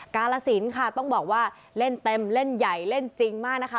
กาลสินค่ะต้องบอกว่าเล่นเต็มเล่นใหญ่เล่นจริงมากนะคะ